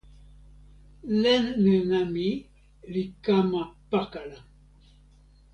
len nena mi li kama pakala.